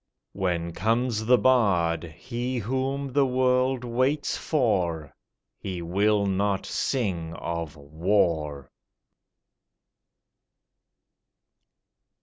When comes the bard, he whom the world waits for, He will not sing of War.